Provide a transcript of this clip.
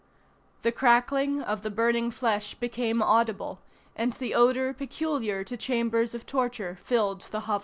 The crackling of the burning flesh became audible, and the odor peculiar to chambers of torture filled the hovel.